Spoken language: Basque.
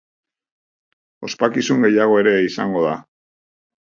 Ospakizun gehiago ere izango da.